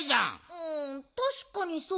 うんたしかにそうかも。